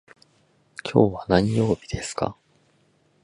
今日は何曜日ですか。